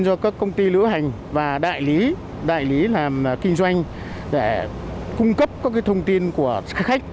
do các công ty lữ hành và đại lý đại lý làm kinh doanh để cung cấp các thông tin của khách